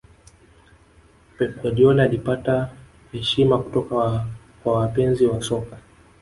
pep guardiola alipata heshima kutoka kwa wapenzi wa soka